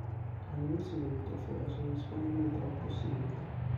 All'inizio di ogni trofeo sono disponibili tre 'possibilità'.